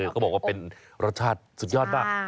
เขาบอกว่าเป็นรสชาติสุดยอดมาก